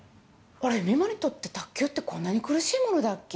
あれ、美誠にとって卓球ってこんなに苦しいものだっけ？